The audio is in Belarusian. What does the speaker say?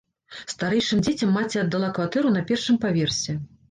Старэйшым дзецям маці аддала кватэру на першым паверсе.